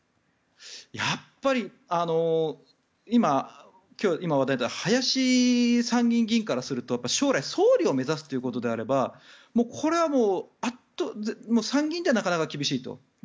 やっぱり今、話題に出た林参議院議員からすると将来、勝利を目指すということであればこれは参議院ではなかなか厳しいと。